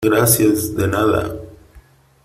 gracias . de nada .